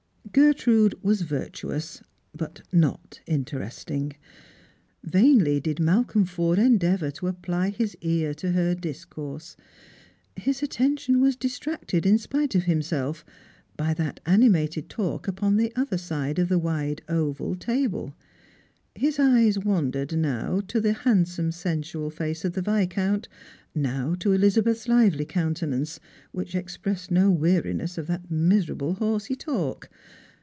Gertrude was virtuous, but not intei esting. _ Vainly did Malcolm Forde endeavour to apply his ear to her discourse. Hia attention was distracted, in spite of himself, by that animated talk upon the other side of the wide oval table ; his eyes wan dered now to the handsome, sensual face of the Viscount,_ now to Elizabeth's lively countenance, which expressed no weariness of that miserable horsey talk.